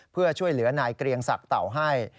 เพื่อช่วยเหลือนายเกรียงศักดิ์เต่าให้